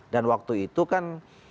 dan waktu itu kan